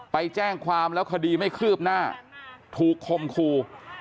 ไปแจ้งความแล้วคดีไม่คืบหน้าถูกคมครู